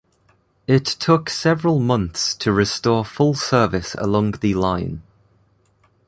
It took several months to restore full service along the line.